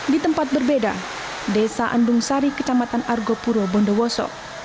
di tempat berbeda desa andung sari kecamatan argopuro bondowoso